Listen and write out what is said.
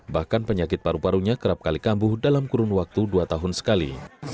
bahkan penyakit paru parunya kerap kali kambuh dalam kurun waktu dua tahun sekali